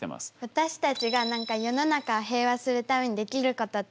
私たちが世の中平和にするためにできることって何ですか？